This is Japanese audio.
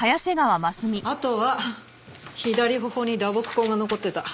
あとは左頬に打撲痕が残ってた。